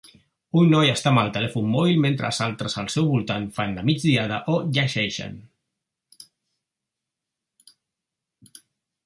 Un noi està amb el telèfon mòbil mentre altres al seu voltant fan la migdiada o llegeixen.